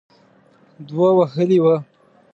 دوه وهلې وه.